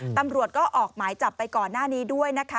ตำรวจก็ออกหมายจับไปก่อนหน้านี้ด้วยนะคะ